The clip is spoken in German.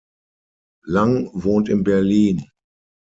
Lang wohnt in Berlin.